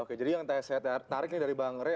oke jadi yang saya tarik dari bang ngeri